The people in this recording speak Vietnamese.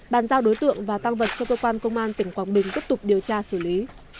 bàn giao đối tượng và tăng vật cho cơ quan công an tỉnh quảng bình tiếp tục điều tra xử lý